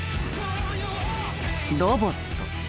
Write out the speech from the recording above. ロボット。